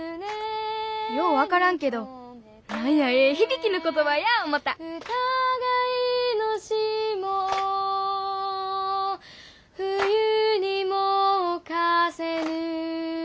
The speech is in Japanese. よう分からんけど何やええ響きの言葉や思た「疑いの霜を冬にもおかせぬ」